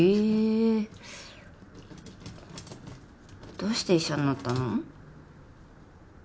どうして医者になったの？